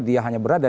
dia hanya berada